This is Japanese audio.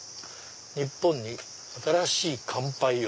「日本に新しい乾杯を」。